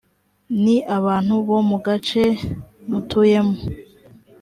ni abantu bo mu gace mutuyemo